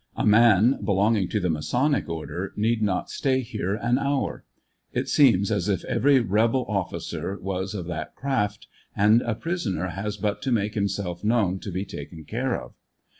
A man belonging to the Masonic order need not stay here an hour. It seems as if every rebel officer was of that craft, and a prisoner has but to make himself known to be taken care of.